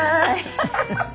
ハハハハ！